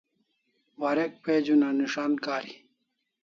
Warek page una nis'an kari